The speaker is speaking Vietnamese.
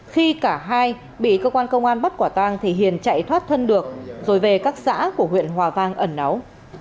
khi cả hai bị cơ quan công an bắt quả tang thì hiền chạy thoát thân được rồi về các xã của huyện hòa vang ẩn náu